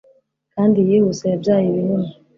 kandi iyihuse yabyaye ibihumye